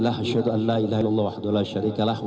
saya syahadatkan tuhan tuhan adalah satu dari setiap orang